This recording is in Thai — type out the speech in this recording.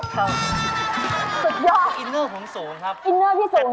สุดยอดค่ะยินเนอร์ผมสูญครับค่ะยินเนอร์พี่สูญละค่ะ